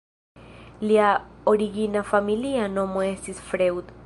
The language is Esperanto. Lia origina familia nomo estis "Freud".